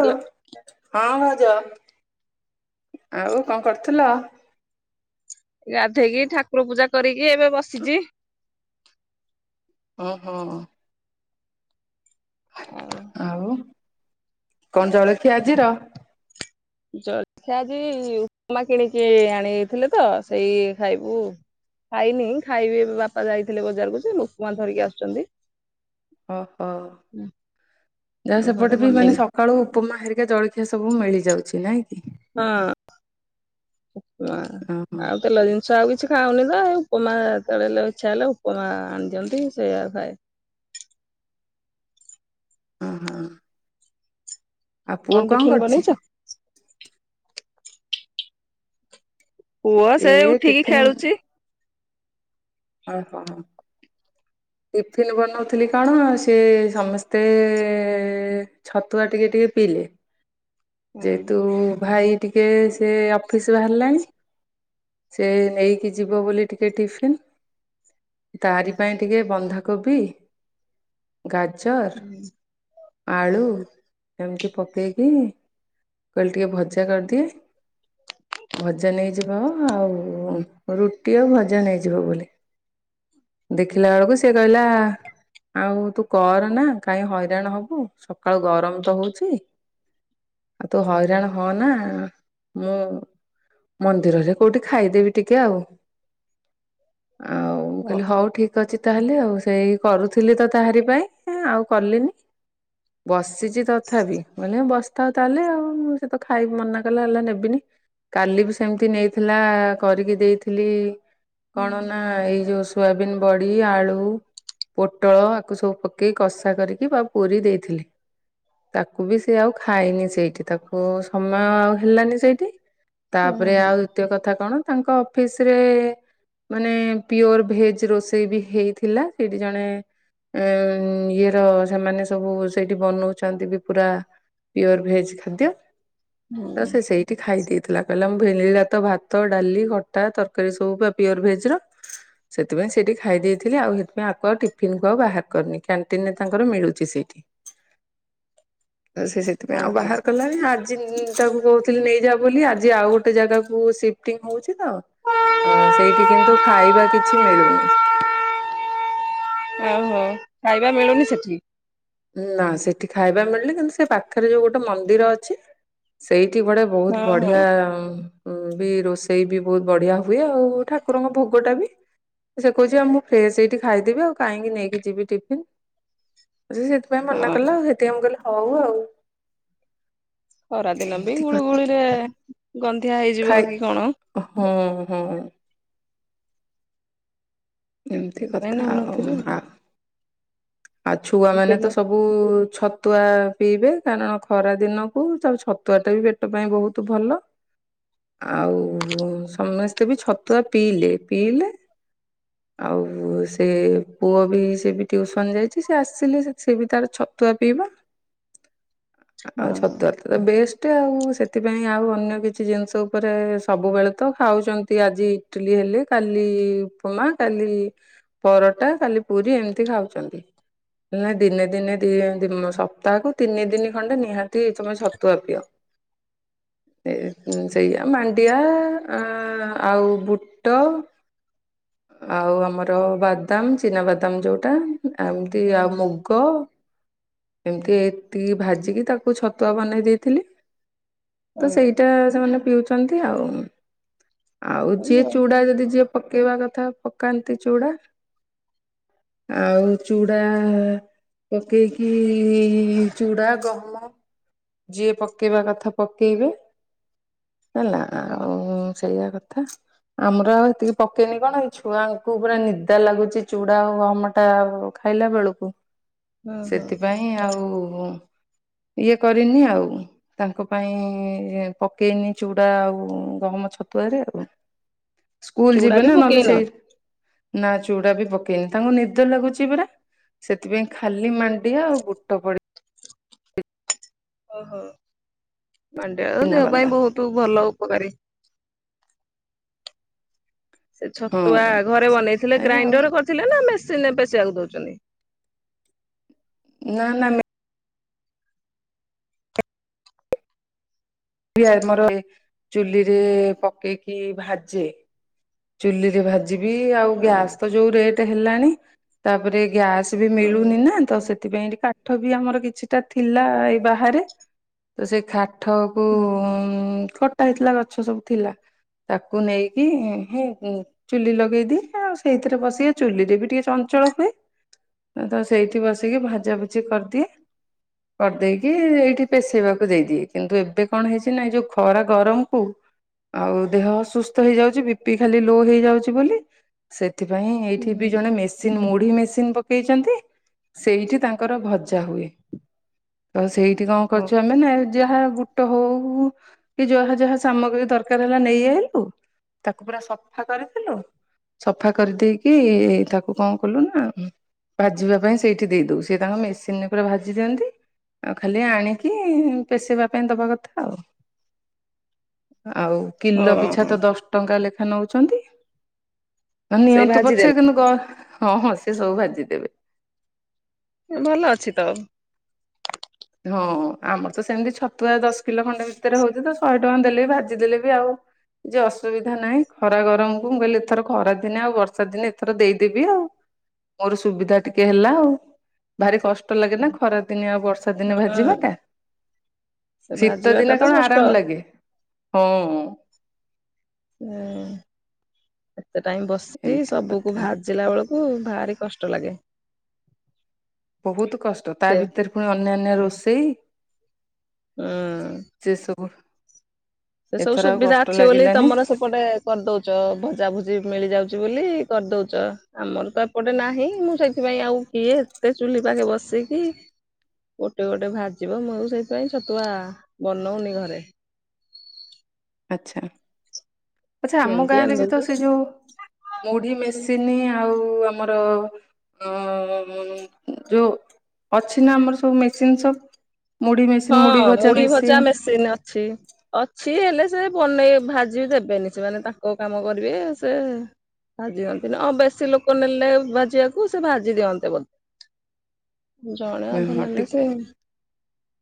Hello ହଁ ଭାଉଜ ଆଉ କଣ କରୁଥିଲ? ଗାଧେଇକି ଠାକୁର ପୂଜା କରିକି ଏବେ ବସିଚି। ଓହୋ। ଆଉ କଣ ଜଳଖିଆ ଆଜିର? ଜଳଖିଆ ଆଜି ଉପମା କିଣିକି ଆଣିଥିଲେତ ସେଇ ଖାଇବୁ। ଖାଇନି ଖାଇବି ଏବେ ବାପା ଯାଇଥିଲେ ବଜାରକୁଯେ ଉପମା ଧରିକି ଆସୁଛନ୍ତି। ଅହୋ ଯାହା ଆଉ ଘରେ ସେପଟେବି ମାନେ ବନେଇନି ସ ଖାଳୁ ଉପମା ହେରିକା ଜଳଖିଆ ସବୁ ମିଳିଯାଉଛି ନାଇଁକି। ହଁ ଉପମା ଓହୋ। ଆଉ ତେଲ ଜିନି ସିଏ ଆଉ କିଛି ଖାଉନିତ ଏ ଉପମା କେତେଳେ ଇଚ୍ଛା ହେଲେ ଉପମା ଆଣିଦଅନ୍ତି ସେଇଆ ଖାଏ। ଅହ। ଆଉ ପୁଅ କଣ ଟିଫିନ କରୁଛି? ବନେଇଛ ପୁଅ ଏ ସେ ଉଠିକି ଟିଫିନ ଖେଳୁଛି। ଆଉ କହ। ଟିଫନ୍ ବନଉଥିଲି କଣ ସି ସମସ୍ତେ ଏ ଏ ଏ ଛତୁଆ ଟିକିଏ ଟିକିଏ ପିଇଲେ। ହୁଁ ଯେହେତୁ ଭାଇ ଟିକିଏ ସେ ଅଫିସ ବାହାରିଲାଣି। ସେ ନେଇକି ଯିବ ବୋଲି ଟିକିଏ ଟିଫିିନ ତାଆରି ପାଇଁ ଟିକେ ବନ୍ଧାକୋବି ଗାଜର ଆଳୁ ଏମିତି ପକେଇକି ମୁଁ କହିଲି ଟିକିଏ ଭଜା କରିଦିଏ ଭଜା ନେଇଯିବ। ଆଉ ରୁଟି ଆଉ ଭଜା ନେଇଯିବ ବୋଲି। ଦେଖିଲା ବେଳକୁ ସିଏ କହିଲା। ଆଉ ତୁ କରନା କାହିଁ ହଇରାଣ ହବୁ ସକାଳୁ ଗରମତ ହଉଛି। ଆଉ ତୁ ହଇରାଣ ହୋନା ମୁଁ ମନ୍ଦିରରେ କୋଉଠି ଖାଇଦେବି ଟିକିଏ ଆଉ ଆଉ ମୁଁ କହିଲି ଓହୋ ହଉ ଠିକ ଅଛି ତାହେଲେ ଆଉ ସେଇ କରୁଥିଲିତ ତାହାରି ପାଇଁ ଆଉ କଲିନି ବସିଚି ତଥାପି ମାନେ ବସ ତ ତାହେଲେ ଆଉ ମୁଁ ସେତ ଖାଇକି ମନା କଲେ ହେଲା ନେବିନି କାଲିବି ସେମତି ନେଇ ଥିଲା କରିକି ଦେଇଥିଲି କଣନା ଏଇ ଯୋଉ ସୋୟାବିନ ବଡ଼ି ଆଳୁ ପୋଟଳ ଆକୁ ସବୁ ପକେଇକି କଷା କରିକି ଆଉ ପୁରୀ ଦେଇଥିଲି। ତାକୁବି ସେ ଆଉ ଖାଇନି ସେଇଠି ତାକୁ ସମୟ ଆଉ ହେଲାନି ସେଇଟି। ତାପରେ ହୁଁ ଆଉ ଦୁତୀୟ କଥା କଣ ତାଙ୍କ ଅଫିସରେ ମାନେ ପିଓର ଭେଜ ରୋଷେଇବି ହେଇଥିଲା ସେଇଠି ଜଣେ ଏଇ ଇଏର ସେମାନେ ସବୁ ସେଇଠି ବନଉଛନ୍ତିବି ପୁରା ପିଓର ଭେଜ ଖାଦ୍ୟ ତ ସେ ସେଇଠି ଖାଇ ଦେଇଥିଲା କହିଲା ମୁଁ [unintelligible] ତ ଭାତ ଡାଲି ଖଟା ତରକାରୀ ସବୁ ପୁରା ପିୟର ଭେଜର। ସେଥିପାଇଁ ସେଠି ଖାଇ ଦେଇେଇଥିଲେ ଆଉ ସେଥିପାଇଁ ଆକୁୗ ଆଉ ଟିଫିିନକୁ ବାହାର କରିନି କ୍ୟାଣ୍ଟିନରେ ତାଙ୍କର ମିଳୁଛି ସେଇଠି। [inaudible] ତ ସେ ସେଥିପାଇଁ ଆଉ ଓହୋ ବାହାର କଲାଣି ଆଜି ତାଙ୍କୁ କହୁଥିଲି ନେଇଯା ବୋଲି ଆଜି ଆଉ ଗୋଟେ ଜାଗାକୁ ଟୁ ସିଫ୍ଟିଙ୍ଗ ହଉଛିତ ଅ ସେଇଠି କିନ୍ତୁ ଖାଇବା କିଛି ମିଳୁନି। ଓ ହୋ। ଖାଇବା ମିଳୁନି ସେଠି। ନା ସେଠି ଖାଇବା ମିଳିନି କିନ୍ତୁ ସେ ପାଖରେ ଯୋଉ ଗୋଟେ ମନ୍ଦିର ଅଛି ସେଇଠି କୁଆଡେ ବହୁତ୍ ହଁ ହଁ ବଢିଆ ମୁଁ ବି ରୋଷେଇ ବି ବହୁତ୍ ବଢିଆ ହୁଏ ଆଉ ଠାକୁରଙ୍କ ଭୋଗଟା ବି। ସେ କହୁଛି ଆଉ ମୁଁ ଫ୍ରେସ୍‌ଏଇଠି ଖାଇଦେବି ଆଉ କାହିଁକି ନେଇକି ଯିବି ଟିଫନ୍। ହେଇ ହେତ୍ ପାଇଁ ମନା ହଁ କଲା ଆଉ ସେଥିପାଇଁ ମୁଁ କହିଲ ହଉ ଆଉ। ଖରାଦିନ ବି ଏମିତି କ ଗୁଳୁଗୁଳିରେ ଗନ୍ଧିଆ ହେଇଯିବ କି କଣ। ହୁଁ ହୁଁ। ଏମିତି ସେଇପାଇଁ କଥା ଆଉ ନଉନଥିବେ ଆ ଆଉ ଛୁଆ ମାନେ ପିଲା ତ ସବୁ ସବୁ ଛତୁଆ ପିଇବେ କାରଣ ଖରା ଦିନକୁ ତା ଛତୁଆଟା ବି ପେଟ ପାଇଁ ବହୁତ ଭଲ। ଆଉ ସମସ୍ତେ ବି ଛତୁଆ ପିଇଲେ ପିଇଲେ ଆଉ ସେ ପୁଅ ବି ସେ ବି ଟିଉସନ୍ ଯାଇଛି ସେ ଆସିଲେ ସେ ବି ତାର ଛତୁଆ ପିଇବ। ହଁ ଆଉ ଛତୁଆ ତ ବେଷ୍ଟ ଆଉ ସେଥିପାଇଁ ଆଉ ଅନ୍ୟ କିଛି ଜିନିଷ ଉପରେ ସବୁବେଳେ ତ ଖାଉଛନ୍ତି ଆଜି ଇଟିଲି ହେଲେ କାଲି ଉପମା କାଲି ପରଟା କାଲି ପୁରୀ ଏମିତି ଖାଉଛନ୍ତି। ନା ଦିନେ ଦିନେ ଦି ଦିନ୍ ସପ୍ତାହକୁ ତିନି ଦିନି ଖଣ୍ଡେ ନିହାତି ତମେ ଛତୁଆ ପିଅ। [unintelligible] ସେ ସେଇଆ ମାଣ୍ଡିଆ ଆ ଆଉ ବୁଟ। ଆଉ ଆମର ବାଦାମ ଚିନାବାଦାମ ଯୋଉଟା। ଏମିତି ଆଉ ହଁ ମୁଗ। ଏମିତି ଏତିକି ଭାଜିକି ତାକୁ ଛତୁଆ ବନେଇ ଦେଇଥିଲି। ତ ସେଇଟା ସେମାନେ ପିଉଛନ୍ତି ଆଉ ଆଉ ହଁ ଯିଏ ଚୁଡା ଯଦି ଯିଏ ପକେଇବା କଥା ପକାନ୍ତି ଚୁଡା। ଆଉ ଚୁଡା ପକେଇକି ଚୁଡା ଗହମ। ଯିଏ ପକେଇବା କଥା ପକେଇବେ ହେଲା। ହଁ। ହୁଁ ସେଇଆ କଥା ଆମର ଆଉ ଏତିକି ପକେଇନି କଣ କି। ଛୁଆଙ୍କୁ ପୁରା ନିଦା ଲାଗୁଛି ଚୁଡା ଆଉ ଗମଟା ଖାଇଲା ବେଳକୁ। ହଁ ସେଥିପାଇଁ ଆଉ ଇଏ କରିନି ଆଉ। ତାଙ୍କ ପାଇଁ ପକେଇନି ଚୁଡା ଆଉ ଗହମ ଛତୁଆରେ ଆଉ। [inaudible] ସ୍କୁଲ ଚୁଡା ଯିବେ ବି ନା ନହେଲେ ପକେଇନ ସେଇ ନା ଚୁଡା ବି ପକେଇନି ତାଙ୍କୁ ନିଦ ଲାଗୁଛି ପରା। ସେଥିପାଇଁ ଖାଲି ମାଣ୍ଡିଆ ଆଉ ବୁଟ ପଡିି ଓହୋ ମାଣ୍ଡିଆ ଦେହ ପାଇଁ ଚିନାବାଦାମ ବହୁତୁ ଭଲ ଉପକାରୀ। ସେ ହଁ ଛତୁଆ ଘରେ ବନେଇଥିଲେ ସେଥିପାଇଁ ଆଉ ଗ୍ରାଇଣ୍ଡର କରିଥିଲେ ନା ମେସିନିରେ ପେଶିବାକୁ ଦଉଛନ୍ତି। ନା ନା ମେ ଇଏ ଆମର ଏଇ ଚୁଲିରେ ପକେଇକି ଭାଜେ ଚୁଲିରେ ଭାଜ ଯିବି ଆଉ ହଁ ଗ୍ୟାସ୍ ତ ଯୋଉ ରେଟ ହେଲାଣି ତାପରେ ଗ୍ୟାସ୍ ବି ମିଳୁନି ନା। ତ ସେଥିପାଇଁ ଏଠି କାଠ ବି ଆମର କିଛିଟା ଥିଲା ଏଇ ବାହାରେ ତ ସେଇ କାଠ ବ ହୁଁ କଟା ହେଇଥିଲା ଗଛ ସବୁ ଥିଲା। ତାକୁ ନେଇକି ହେ ଚୁଲି ଲଗେଇଦିଏ ଆଉ ସେଇଥିରେ ବସିକି ଚୁଲିରେ ବି ଟିକେ ଚଞ୍ଚଳ ହୁଏ। ତ ସେଇଠି ବସିକି ଭାଜା ଭୁଜି କରିଦିଏ। କରିଦେଇକି ଏଇଠି ପେଷେଇବାକୁ ଦେଇଦିଏ କିନ୍ତୁ ଏବେ କଣ ହେଇଛି ନାଇଁ ଯୋଉ ଖରା ଗରମ କୁ ଆଉ ଦେହ ଅସୁସ୍ଥ ହେଇଯାଉଛି ବି ପି ଖାଲି ଲୋ ହେଇଯାଉଛି ବୋଲି ସେଥିପାଇଁ ଏଇଠି ବି ହୁଁ ଜଣେ ମି ମୁଡ଼ି ମେସିନ୍ ପକେଇଛନ୍ତି ସେଇଠି ତାଙ୍କର ଭଜା ହୁଏ। ତ ସେଇଠି କଣ କରୁଛୁ ଆମେ ନା ଯାହା ବୁଟ ହଉ କି ଯାହା ଯାହା ସାମଗ୍ରୀ ଦରକାର ହେଲା ନେଇ ଆଇଲୁ ତାକୁ ପୁରା ସଫା କରିଥିଲୁ। ସଫା କରିଦେଇକି ତାକୁ କଣ କଲୁ ନା ଭାଜିବା ପାଇଁ ସେଇଠି ଦେଇଦଉ ସେ ତାଙ୍କ ମେସିନ୍ ପୁରା ଭାଜି ଦିଅନ୍ତି। ଆଉ ଖାଲି ଆଣିକି ପେଶିବା ଦେବା କଥା ଆଉ ଆଉ କିଲୋ ପିଛା ହଁ ତ ଦଶ ଟଙ୍କା ଲେଖା ନଉଛନ୍ତି ନା ସେଇ ନିଅନ୍ତୁ ଭାଜିଦେଲେ ପଛେ କିନ୍ତୁ ହଁ ହଁ ସେ ସବୁ ଭାଜିଦେବେ। ଭଲ ଅଛି ତ। ହଁ ଆମର ତ ସେମିତି ଛତୁଆ ଦଶ କିଲୋ ଖଣ୍ଡେ ଭିତରେ ହଉଛି ତ ଶହେ ଟଙ୍କା ଦେଲେ ବି ଭାଜି ଦେଲେ ବି ଆଉ ଯୋ ଅସୁବିଧା ନାହିଁ ଖରା ଗରମକୁ ମୁଁ କହିଲି ଏଥର ଖରା ଦିନେ ଆଉ ବର୍ଷା ଦିନେ ଏଥର ଦେଇଦେବି ଆଉ। ମୋର ସୁବିଧା ଟିକେ ହେଲା ଆଉ ଭାରି କଷ୍ଟ ଲାଗେ ନା ଖରାଦିନି ଆଉ ବର୍ଷା ବର୍ଷା ଦିନ ହଁ ଭାଜିବାଟା ସେ ଶୀତ ଭାଜିବାଟା ଦିନେ ତ କଣ କଷ୍ଟ। ଆରାମ ଲାଗେ। ହଁ। ଏତେ ଟାଇମ୍ ବସିକି ଏମିତି ସବୁକୁ ବା କଥା। ଭାଜିଲା ବେଳକୁ ଭାରି କଷ୍ଟ ଲାଗେ। ବହୁତ କଷ୍ଟ ତା ସେ ଭିତରେ ପୁଣି ଅନ୍ୟାନ୍ୟ ରୋଷେଇ ହୁଁ। ସେ ସବୁ। ସେ ସବୁ ଏଥର ଆଉ ସୁବିଧା କଷ୍ଟ ଅଛି ବୋଲି ଲାଗିଲାନି ତମର ସେ ପଟେ କରିଦଉଛ ଭଜା ଭୁଜି ମିଳି ଯାଉଛି ବୋଲି କରିଦଉଛ ଆମର ତ ଏ ପଟେ ନାହିଁ ମୁଁ ସେଇଥିପାଇଁ ଆଉ କିଏ ଏତେ ଚୁଲି ପାଖେ ବସିକି ଗୋଟେ ଗୋଟେ ଭାଜିବ ମୁଁ ସେଇଥିପାଇଁ ଛତୁଆ ବନଉନି ଘରେ। ଆଚ୍ଛା, ଆଚ୍ଛା ଆମ କିଣିକି ଗାଁରେ ବି ତ ଆଣିଦଉଛୁ ସେଇ ଯୋଉ ମୁଢ଼ି ମେସିନ୍ ଆଉ ଆମର ଅଁ ଯୋଉ ଅଛି ନା ଆମର ସବୁ ମେସିନ୍ ସବୁ। ମୁଢି ମେସିନ ହଁ ମୁଢି ମୁଢ଼ି ମେସିନ ଭଜା ମେସିନ୍ ଅଛି। ଅଛି ହେଲେ ସେ ବନେଇ ଭାଜି ବି ଦେବେନି ସେମାନେ ତାଙ୍କ କାମ କରିବେ ସେ ଭାଜି ଦିଅନ୍ତି ନା ଆଉ ବେଶୀ ଲୋକ ନେଲେ ଭାଜିବାକୁ ସେ ଭାଜି ଦିଅନ୍ତେ ବୋ ଜଣେ ଅଧେ ନେଲେ ସେ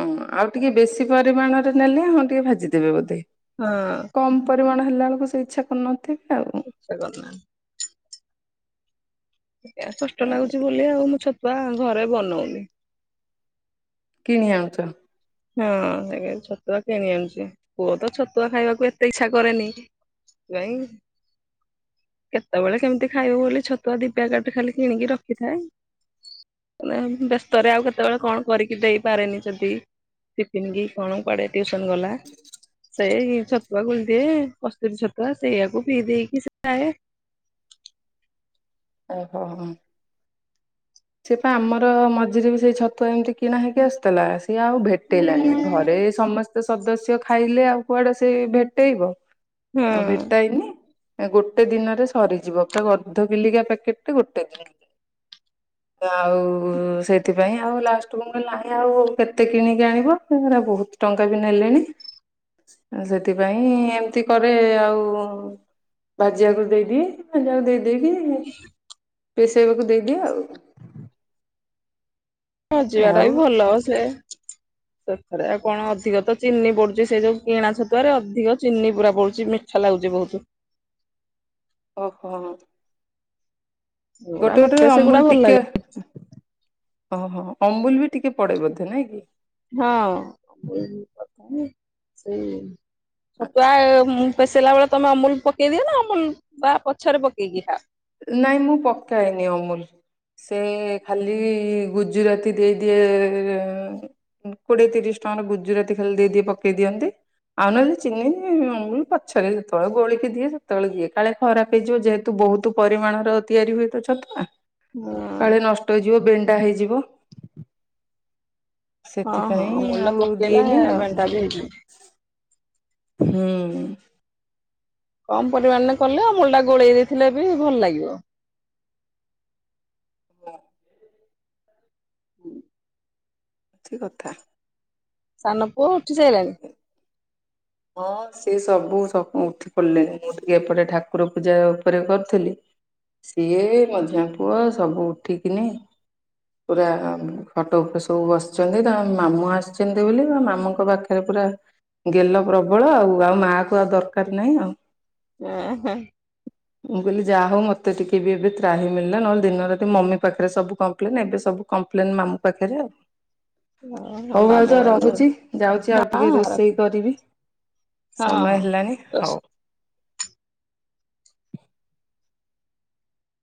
ଅଁ ଆଉ ଟିକେ ବେଶୀ ପରିମାଣରେ ନେଲେ ହଁ ଟିକେ ଭାଜିଦେବେ ବୋଧେ। ହଁ। କମ୍ ପରିମାଣ ହେଲାବେଳକୁ ସେ ଇଚ୍ଛା କରୁନଥିବେ ଆଉ। ଇଚ୍ଛା କରୁନାହାନ୍ତି। କଷ୍ଟ ଲାଗୁଛି ବୋଲି ଆଉ ମୁଁ ଛତୁଆ ଘରେ ବନଉନି। କିଣି ଆଣୁଛ? ହଁ ଛତୁଆ କିଣି ଆଣୁଛି ପୁଅ ତ ଛତୁଆ ଖାଇବାକୁ ଏତେ ଇଚ୍ଛା କରେନି। ସେଥିପାଇଁ [inaudible] କେତବେଳେ କେମିତି ଖାଇବୁ ବୋଲି ଛତୁଆ ଦି ପ୍ୟାକେଟ୍ ଖାଲି କିଣିକି ରଖିଥାଏ ମାନେ ବ୍ୟସ୍ତରେ ଆଉ କେତବେଳେ କଣ କରିକି ଦେଇପାରେନି ଯଦି ଟିଫିନ୍ କି କଣ କୁଆଡେ ଟିୟୁସନ ଗଲା ସେଇ ଛତୁଆ ଗୋଳିଦିଏ କସ୍ତୁରୀ ଛତୁଆ ସେଇଆକୁ ପିଇ ଦେଇକି ସେ ଯାଏ। ଆଉ କଁ ଅଁ ସେ ପା ଆମର ମଝିରେ ବି ସେଇ ଛତୁଆ ଏମିତି କିଣା ହେଇକି ଆସୁଥିଲା ସିଏ ଆଉ ଭେ ଟେଇଲାନି ଘରେ ସମସ୍ତେ ସଦସ୍ୟ ଖାଇଲେ ଆଉ କୁଆଡେ ସେ ଭେଟେଇବ? ହୁଁ ତ ନ ଭେଟାଇନି ଗୋଟେ ଦିନରେ ସରିଯିବ ତାକୁ ଅଧ କିଲିକିଆ ପ୍ୟା କେତେ ଗୋଟେ ଦିନ [unintelligible] ତ ଆଉ ସେଥିପାଇଁ ଆଉ ଲାଷ୍ଟ କୁ ମୁଁ କହିଲି ନାଇଁ ଆଉ କେତେ କିଣିକି ଆଣିବୁ ସେ ଗୁରା ବହୁତୁ ଟଙ୍କା ବି ନେଲେଣି [unintelligible] ସେଥିପାଇଁ ଏମିତି କରେ ଆଉ ଭାଜିଆକୁ ଦେଇଦିଏ ଭାଜିଆକୁ ଦେଇ ଦେଇକି [unintelligible] ପେସେଇବାକୁ ଦେଇଦିଏ ଆଉ। ହଁ ଯିବା ଟା ଆଉ ବି ଭଲ ସେ ତଥରେ ଆଉ କଣ ଅଧିକ ତ ଚିନି ପଡୁଚି ସେ ଯୋଉ କିଣା ଛତୁଆରେ ଅଧିକ ଚିନି ପୁରା ପଡୁଚି ମି ଛା ଲାଗୁଚି ବହୁତୁ। ଓହୋ। ସେଗୁଡା ଗୋଟେ ଗୋଟେ ମତେ ସେଗୁଡା ଅମୁଲ ଭଲ ଟିକେ ଲାଗେ ଓହୋ ଅମୁଲ ବି ଟିକେ ପଡେ ବୋଧେ ନା କି? ହଁ [inaudible] ସେଇ ଛତୁଆ ମୁଁ ପେସେଇଲା ବେଳେ ତମେ ଅମୁଲ ପକେଇ ଦିଅ ନା ଅମୁଲ ବା ପଛରେ ପକେଇକି ଖାଅ? ନାଇଁ ମୁଁ ପକାଏନି ଅମୁଲ। ସେ ଖାଲି ଗୁଜୁରାତି ଦେଇଦିଏ ଏଁ କୋଡିଏ ତିରିଶ ଟଙ୍କାର ଗୁଜୁରାତି ଖାଲି ଦେଇଦିଏ ପକେଇ ଦିଅନ୍ତି ଆଉ ନହେଲେ ଚିନି, ଅମୁଲ ପଛରେ ସେତବେଳେ ଗୋଳିକି ଦିଏ ସେତବେଳେ ଦିଏ କାଳେ ଖରାପ ହେଇଯିବ ଯେହେତୁ ବହୁତୁ ପରିମାଣର ତିଆରି ହୁଏ ତ ଛତୁଆ କାଳେ ନଷ୍ଟ ହେଇଯିବ ବେଣ୍ଡା ହେଇଯିବ ହଁ ହଁ ସେଥିପାଇଁ ମଣ୍ଡ ଆଉ ପକେଇଲା ଦିଏନି ଆଉ ବେଣ୍ଡା ବି ହେଇଯିବ। ହୁଁ। କମ ପରିମାଣରେ କଲେ ଅମୁଲୁଟା ଗୋଳେଇ ଦେଇଥିଲେ ବି ଭଲ ଲାଗିବ। ହୁଁ। କିଛି କଥା। ସାନ ପୁଅ ଉଠି ସାରିଲାଣି। ହଁ ସେ ସବୁ ସବୁ ଉଠି ପଡିଲେଣି ମୁଁ ଟିକେ ଏପଟେ ଠାକୁର ପୂଜା ଉପରେ କରୁଥିଲି ସିଏ ମଝିଆ ପୁଅ ସବୁ ଉଠିକିନି ପୁରା ଖଟ ଉପରେ ସବୁ ବସିଛନ୍ତି ତା ମାମୁଁ ଆସିଛନ୍ତି ବୋଲି ତା ମାମୁଁଙ୍କ ପାଖ ରେ ପୁରା ଗେଲ ପ୍ରବଳ ଆଉ ଆଉ ମା କୁ ଆଉ ଦରକାର ନାଇଁ ଆଉ। ଏଁ ହେ। ମୁଁ କହିଲି ଯାହା ହଉ ମତେ ଟିକେ ବି ଏବେ ତ୍ରାହି ମିଳିଲା ନହେଲେ ଦିନ ରାତି ମମି ପାଖରେ ସବୁ କମ୍ପ୍ଲେନ ଏବେ ସବୁ କମ୍ପ୍ଲେନ୍ ମାମୁଁ ପାଖରେ ଆଉ। ଓହୋ ହଉ ଭାଉଜ ମାମୁଁ ମାଇଁ ରହୁଛି ଯାଉଛି ଆଉ ତ ଟିକେ ହଁ ରୋଷେଇ ହଁ। କରିବି ହଁ ସମୟ ହଁ ହେଲାନି ରସ ହଉ।